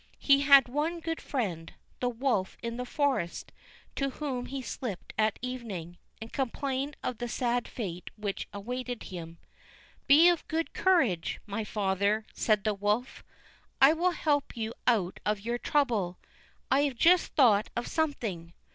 He had one good friend, the wolf in the forest, to whom he slipped at evening, and complained of the sad fate which awaited him. "Be of good courage, my father," said the wolf; "I will help you out of your trouble. I have just thought of something.